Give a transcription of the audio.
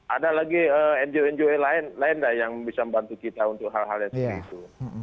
ada lagi ngo ngo lain lain yang bisa membantu kita untuk hal hal yang seperti itu